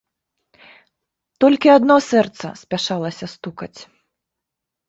Толькі адно сэрца спяшалася стукаць.